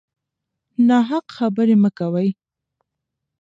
ناحق خبرې مه کوئ.